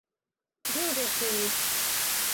Gildersleeve.